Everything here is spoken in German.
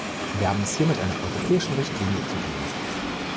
Wir haben es hier mit einer europäischen Richtlinie zu tun.